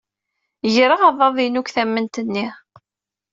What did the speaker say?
Greɣ aḍad-inu deg tamemt-nni.